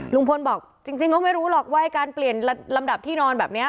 ลุงพลบอกจริงก็ไม่รู้หรอกว่าการเปลี่ยนลำดับที่นอนแบบนี้